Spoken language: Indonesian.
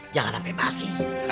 jangan sampai basi